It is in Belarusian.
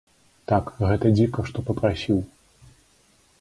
Так, гэта дзіка, што папрасіў.